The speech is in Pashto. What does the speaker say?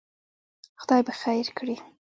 خدای به خیر کړي.